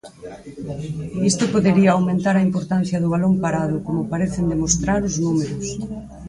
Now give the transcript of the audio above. Isto podería aumentar a importancia do balón parado, como parecen demostrar os números.